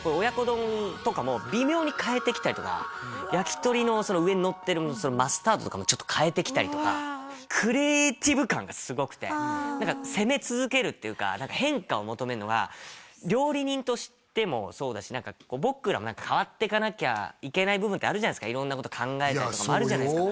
親子丼とかも微妙に変えてきたりとか焼き鳥の上にのってるマスタードとかもちょっと変えてきたりとかクリエイティブ感がすごくて攻め続けるっていうか変化を求めるのが料理人としてもそうだし僕らも変わってかなきゃいけない部分ってあるじゃないですか色んなこと考えたりとかいやそうよ